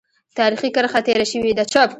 تاریخي کرښه تېره شوې ده.